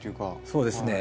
そうですね。